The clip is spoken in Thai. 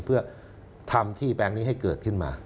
เพื่อทำที่แปลงนี้ให้เกิดขึ้นมา